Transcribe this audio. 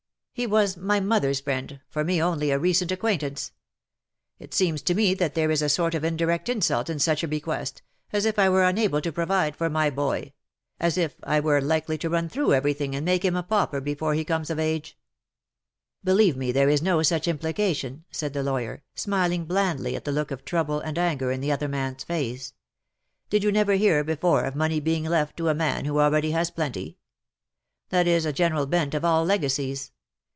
^^" He was my mother's friend — for me only a recent acquaintance. It seems to me that there is a sort of indirect insult in such a bequest, as if I were unable to provide for my boy — as if I were " DUST TO DUST." 71 likely to run through every things and make him a pauper before he comes of age/^ ^^ Believe me there is no such implication/'' said the lawyer, smiling blandly at the look of trouble and anger in the other man^s face. " Did you never hear before of money being left to a man who already has plenty ? That is the general bent of all legacies.